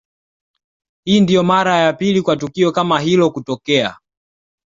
Hii ndio mara ya pili kwa tukio kama hilo kutokea